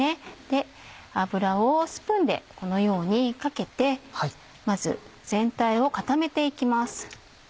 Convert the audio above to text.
油をスプーンでこのようにかけてまず全体を固めて行きます。